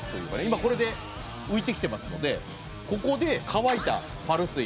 今これで浮いてきてますのでここで乾いたパルスイ。